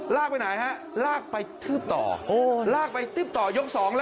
ลากไปไหนฮะลากไปทืบต่อลากไปทืบต่อยกสอง